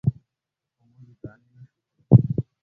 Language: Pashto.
خو موږ یې قانع نه شوو کړی.